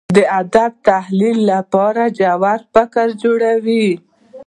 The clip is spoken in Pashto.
دا د ادبي تحلیل لپاره ژور فکر جوړوي.